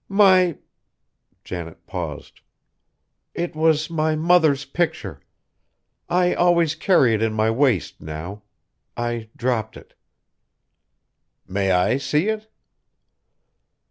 "My " Janet paused; "it was my mother's picture! I always carry it in my waist now. I dropped it." "May I see it?"